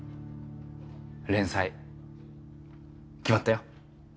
連載決まったよ。